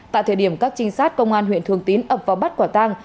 tại thời điểm các trinh sát công an huyện thường tín ập vào bắt quả tang